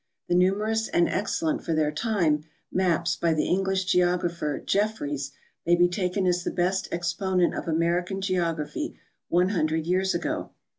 The numerous and excellent, for their time, maps by the English geographer, Jefferys, ma}'^ be taken as the best exponent of Amer ican geography one hundred years ago.